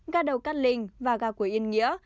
gà đầu cát linh và gà cuối yên nghĩa